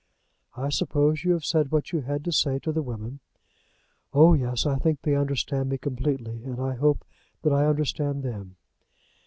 "I suppose you have said what you had to say to the women?" "Oh, yes. I think they understand me completely, and I hope that I understand them."